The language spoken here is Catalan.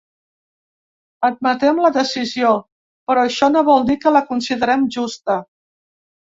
Admetem la decisió però això no vol dir que la considerem justa.